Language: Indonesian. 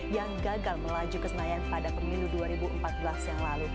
yang gagal melaju ke senayan pada pemilu dua ribu empat belas yang lalu